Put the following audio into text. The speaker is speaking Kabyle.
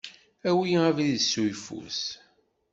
Awi abrid s uyeffus.